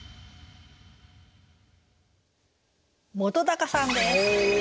本さんです。